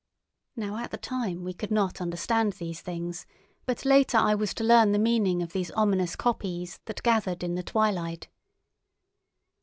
Now at the time we could not understand these things, but later I was to learn the meaning of these ominous kopjes that gathered in the twilight.